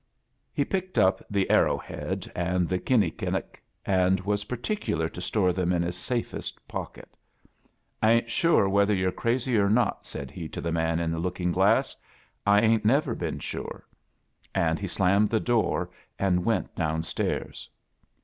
He picked up the arrow head and tlie khini kinnic, and was partic f '^ filar to store tliem in his safest pocket. 3 —\^ jy "1 ain't sore whether you're crazy or not," '/ said he to the man in the lookins sfass. "I 'ain't never been sure." And he slam med the door and went down stairs.